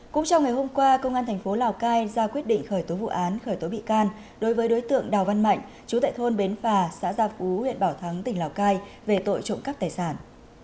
cũng trong ngày hôm qua công an thành phố lào cai ra quyết định khởi tố vụ án khởi tố bị can đối với đối tượng đào văn mạnh chú tại thôn bến phà xã gia phú huyện bảo thắng tỉnh lào cai về tội trộm cắp tài sản